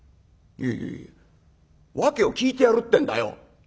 「いやいやいや訳を聞いてやるってんだよ。